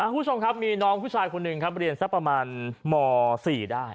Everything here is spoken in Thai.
ผู้ชมครับมีน้องผู้ชายคนหนึ่งเป็นเรียนทั้งประมาณมสี่ได้